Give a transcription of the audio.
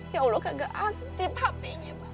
ya allah kagak aktif hp nya